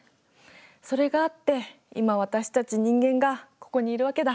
それがあって今私たち人間がここにいるわけだ。